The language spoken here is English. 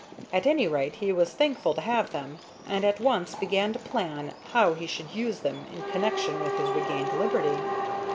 At any rate, he was thankful to have them, and at once began to plan how he should use them in connection with his regained liberty.